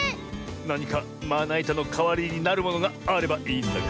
なにかまないたのかわりになるものがあればいいんだが。